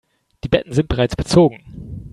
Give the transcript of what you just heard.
Die Betten sind bereits bezogen.